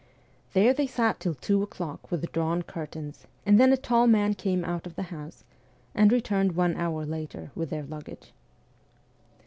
' There they sat till two o'clock with drawn cur tains, and then a tall man came out of the house, and returned one hour later with their luggage.'